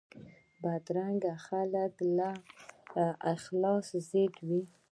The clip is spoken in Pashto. بدرنګه خلک د اخلاص ضد وي